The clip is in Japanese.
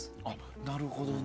なるほどね。